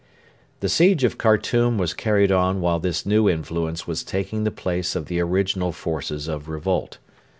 The siege of Khartoum was carried on while this new influence was taking the place of the original forces of revolt.